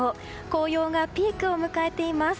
紅葉がピークを迎えています。